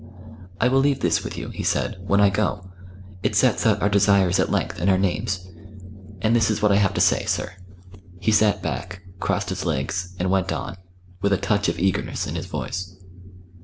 "I will leave this with you," he said, "when I go. It sets out our desires at length and our names. And this is what I have to say, sir." He sat back, crossed his legs, and went on, with a touch of eagerness in his voice.